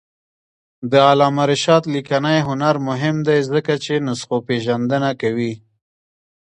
د علامه رشاد لیکنی هنر مهم دی ځکه چې نسخوپېژندنه کوي.